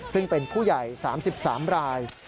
ซึ่งเป็นผู้ใหญ่๓๓ราย